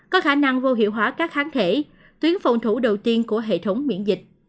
có khả năng vô hiệu hóa các kháng thể tuyến phòng thủ đầu tiên của hệ thống miễn dịch